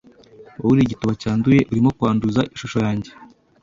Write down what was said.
Wowe uri igituba cyanduye, urimo kwanduza ishusho yanjye